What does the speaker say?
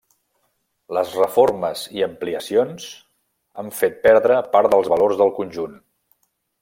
Les reformes i ampliacions han fet perdre part dels valors del conjunt.